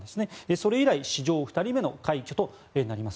それ以来史上２人目の快挙となります。